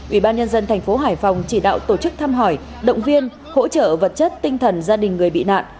ủy ban nhân dân thành phố hải phòng chỉ đạo tổ chức thăm hỏi động viên hỗ trợ vật chất tinh thần gia đình người bị nạn